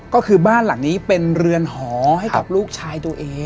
ก็คือบ้านหลังนี้เป็นเรือนหอให้กับลูกชายตัวเอง